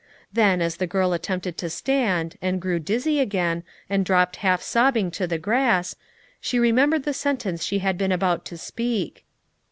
Then, as the girl at tempted to stand, and grew dizzy again and dropped half sobbing to the grass, she remem bered the sentence she had been about to speak.